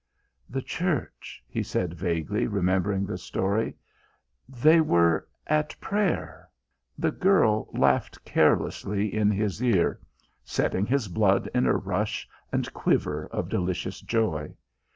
"The Church," he said, vaguely remembering the story. "They were at prayer " The girl laughed carelessly in his ear, setting his blood in a rush and quiver of delicious joy.